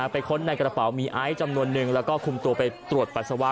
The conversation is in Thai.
ค้นในกระเป๋ามีไอซ์จำนวนนึงแล้วก็คุมตัวไปตรวจปัสสาวะ